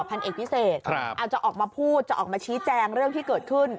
พันเอกพิเศษอาจจะออกมาพูดจะออกมาชี้แจงเรื่องที่เกิดขึ้น